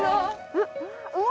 うわ！